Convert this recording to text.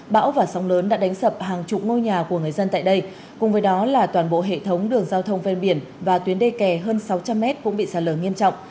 bão và sóng lớn đã đánh sập hàng chục ngôi nhà của người dân tại đây cùng với đó là toàn bộ hệ thống đường giao thông ven biển và tuyến đê kè hơn sáu trăm linh mét cũng bị sạt lở nghiêm trọng